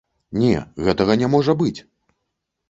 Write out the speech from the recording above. Не, гэтага не можа быць.